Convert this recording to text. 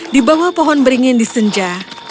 di bawah pohon beringin di senja